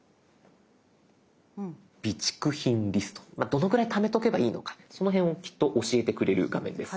どのくらいためとけばいいのかその辺をきっと教えてくれる画面です。